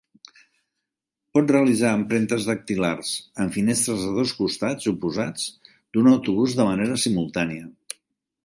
Pot realitzar empremtes dactilars en finestres de dos costats oposats d'un autobús de manera simultània.